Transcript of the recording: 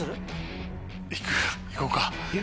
行こうか。